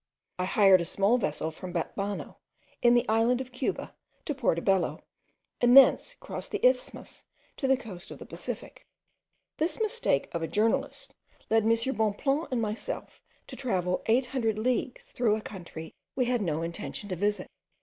I hired a small vessel from Batabano, in the island of Cuba, to Portobello, and thence crossed the isthmus to the coast of the Pacific; this mistake of a journalist led M. Bonpland and myself to travel eight hundred leagues through a country we had no intention to visit.